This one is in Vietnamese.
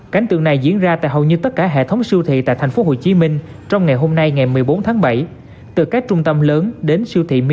cảnh tượng này diễn ra tại hầu như tất cả hệ thống siêu thị tại tp hcm trong ngày hôm nay ngày một mươi bốn tháng bảy từ các trung tâm lớn đến siêu thị mini